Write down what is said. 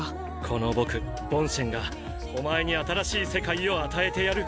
「この僕ボンシェンがお前に新しい世界を与えてやる」。